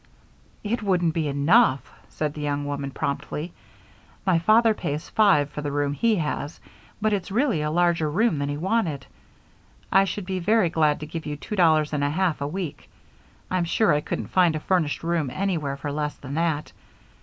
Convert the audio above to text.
"It wouldn't be enough," said the young woman, promptly. "My father pays five for the room he has, but it's really a larger room than he wanted. I should be very glad to give you two dollars and a half a week I'm sure I couldn't find a furnished room anywhere for less than that.